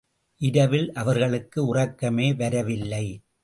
இரவில் அவர்களுக்கு உறக்கமே வரவில்லை.